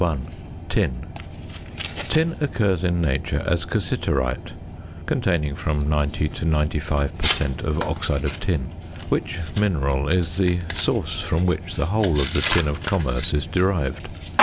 TIN TUNGSTEN TITANIUM. TIN. Tin occurs in nature as cassiterite (containing from 90 to 95 per cent. of oxide of tin), which mineral is the source from which the whole of the tin of commerce is derived.